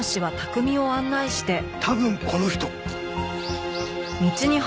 多分この人。